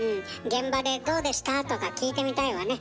「現場でどうでした？」とか聞いてみたいわね。